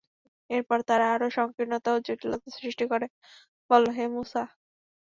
এরপর তারা আরো সংকীর্ণতা ও জটিলতা সৃষ্টি করে বলল, হে মূসা!